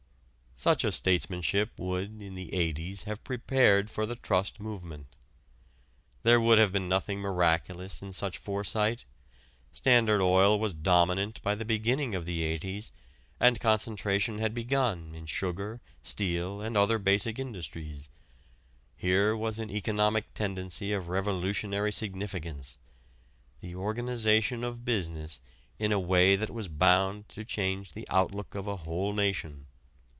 Such a statesmanship would in the '80's have prepared for the trust movement. There would have been nothing miraculous in such foresight. Standard Oil was dominant by the beginning of the '80's, and concentration had begun in sugar, steel and other basic industries. Here was an economic tendency of revolutionary significance the organization of business in a way that was bound to change the outlook of a whole nation.